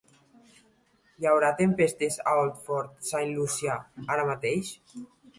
Hi haurà tempestes a Old Fort Saint Lucia ara mateix?